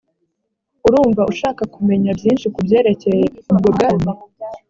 urumva ushaka kumenya byinshi ku byerekeye ubwo bwami